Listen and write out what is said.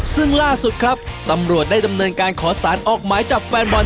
ซึ่งล่าสุดครับตำรวจได้ดำเนินการขอสารออกหมายจับแฟนบอล